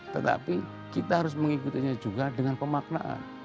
tetapi kita harus mengikutinya juga dengan pemaknaan